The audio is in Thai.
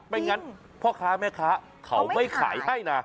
ไม่งั้นพ่อค้าแม่ค้าเขาไม่ขายให้นะ